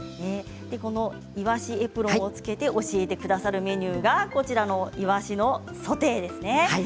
このイワシエプロンをつけて教えてくださるメニューがこちらのイワシのソテーですね。